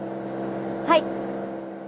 はい。